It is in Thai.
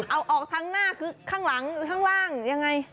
แล้วจะเอาออกทางหน้าคือข้างล่างอย่างไร